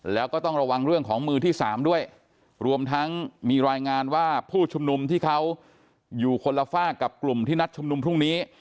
แล้วก็ต้องระวังเรื่องของมือที่สามด้วยรวมทั้งมีรายงานว่าผู้ชุมนุมที่เขาอยู่คนละฝากกับกลุ่มที่นัดชุมนุมพรุ่งนี้